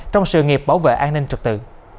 trong sự nghiệp bảo vệ an ninh trực tự